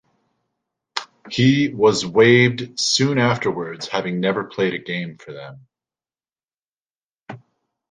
He was waived soon afterwards, having never played a game for them.